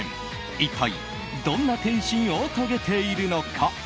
一体どんな転身を遂げているのか。